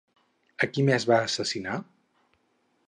A qui més va assassinar?